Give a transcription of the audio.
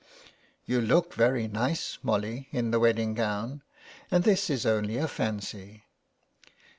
You look very nice, Molly, in the wedding gown, and this is only a fancy."